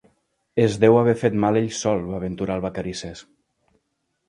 Es deu haver fet mal ell sol —va aventurar el Vacarisses.